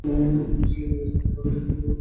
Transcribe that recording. উনার ছেলে নিজের হাতে বাগান থেকে ফুলগুলো তুলেছে!